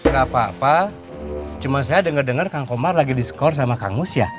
gak apa apa cuma saya denger dengar kang komar lagi diskor sama kang musya